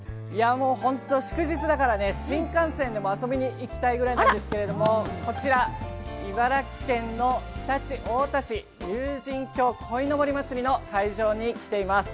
本当に、祝日だから新幹線でも遊びに行きたいぐらいなんですけれども、こちら、茨城県の常陸太田市、竜神峡鯉のぼりまつりの会場に来ています。